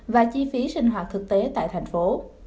và chi phí sinh hoạt thực tế tại thành phố